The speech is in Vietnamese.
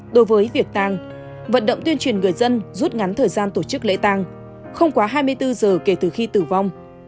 đối với việc tăng vận động tuyên truyền người dân rút ngắn thời gian tổ chức lễ tăng không quá hai mươi bốn giờ kể từ khi tử vong